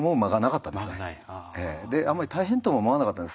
あんまり大変とも思わなかったんです。